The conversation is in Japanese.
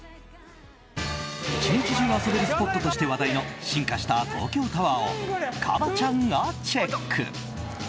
１日中遊べるスポットとして話題の進化した東京タワーをＫＡＢＡ．ちゃんがチェック。